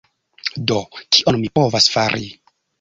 Do, kion mi povas fari?